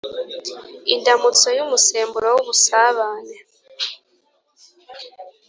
indamutso y’umusemburo w’ubusabane